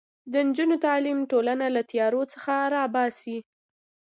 د نجونو تعلیم ټولنه له تیارو څخه راباسي.